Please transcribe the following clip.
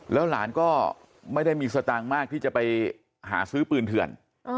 แล้วหลานก็ไม่ได้มีสตางค์มากที่จะไปหาซื้อปืนเถื่อน